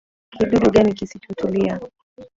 Kidudu kigani kisichotulia.